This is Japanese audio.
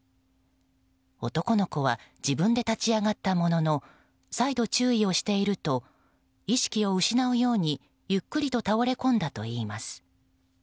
男の子は自分で立ち上がったものの再度、注意をしていると意識を失うようにゆっくりと倒れ込んだといいます。